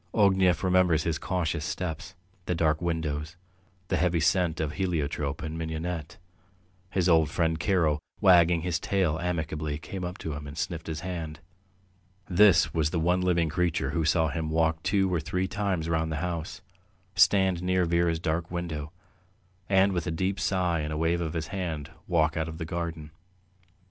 Ognev remembers his cautious steps, the dark windows, the heavy scent of heliotrope and mignonette. His old friend Karo, wagging his tail amicably, came up to him and sniffed his hand. This was the one living creature who saw him walk two or three times round the house, stand near Vera's dark window, and with a deep sigh and a wave of his hand walk out of the garden.